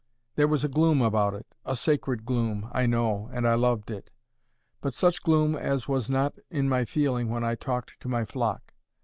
There was a gloom about it—a sacred gloom, I know, and I loved it; but such gloom as was not in my feeling when I talked to my flock.